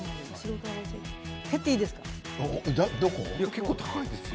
結構、高いですよ。